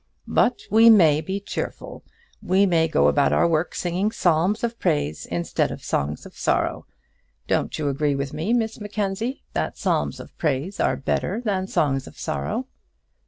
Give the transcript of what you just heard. "But we may be cheerful, we may go about our work singing psalms of praise instead of songs of sorrow. Don't you agree with me, Miss Mackenzie, that psalms of praise are better than songs of sorrow?"